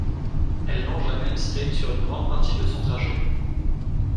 Elle longe la Main Street sur une grande partie de son trajet.